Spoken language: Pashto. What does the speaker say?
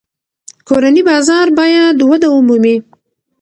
کورني بازار باید وده ومومي.